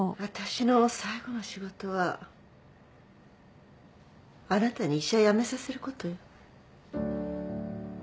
私の最後の仕事はあなたに医者辞めさせることよ